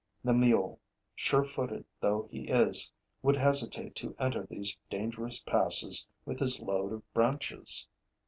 The mule, sure footed though he be, would hesitate to enter these dangerous passes with his load of branches.